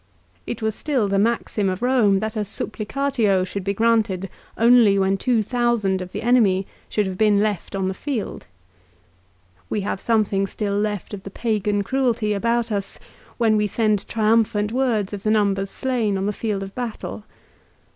It was still the maxim of Rome that a " Supplicatio " should be granted only when 2,000 of the enemy should have been left on the field. We have something still left of the Pagan cruelty about us when we send triumphant words of the numbers slain on the field of battle.